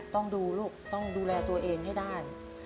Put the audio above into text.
ต้องดูลูกต้องดูแลตัวเองให้ได้